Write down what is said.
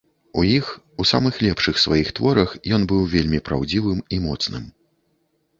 У іх, у самых лепшых сваіх творах, ён быў вельмі праўдзівым і моцным.